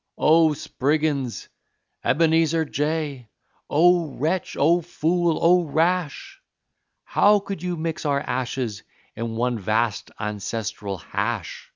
Oh, Spriggins Ebenezer J! Oh, wretch! Oh, fool! Oh, rash! How could you mix our ashes in one vast, ancestral hash?"